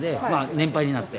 年配になって。